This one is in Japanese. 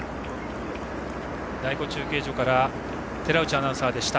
第５中継所から寺内アナウンサーでした。